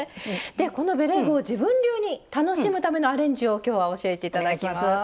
でこのベレー帽を自分流に楽しむためのアレンジを今日は教えて頂きます。